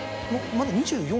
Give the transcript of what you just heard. まだ２４。